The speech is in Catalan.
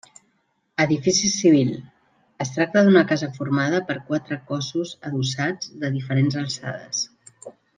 Edifici civil; es tracta d'una casa formada per quatre cossos adossats de diferents alçades.